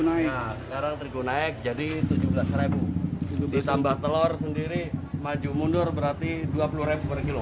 naik sekarang terigu naik jadi rp tujuh belas ditambah telur sendiri maju mundur berarti dua puluh per kilo